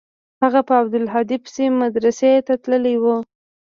هغه په عبدالهادي پسې مدرسې ته تللى و.